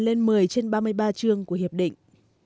lên một mươi trên ba mươi ba trường của hiệp định